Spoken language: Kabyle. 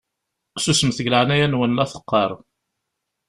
Susmet deg leɛnaya-nwen la teqqaṛ!